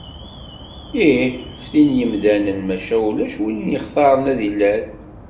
Ih, ftin yemdanen, maca ulac win yextaren ad d-ilal.